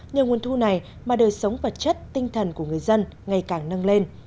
nhờ nguồn thu này mà đời sống vật chất tinh thần của người dân ngày càng nâng lên